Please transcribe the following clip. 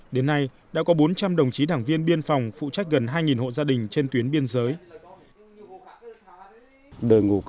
đến nay đã có bốn trăm linh đồng chí đảng viên biên phòng phụ trách gần hai hộ gia đình trên tuyến biên giới